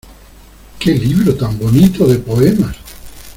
¡Qué libro tan bonito de poemas!